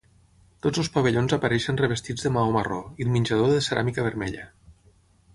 Tots els pavellons apareixen revestits de maó marró, i el menjador de ceràmica vermella.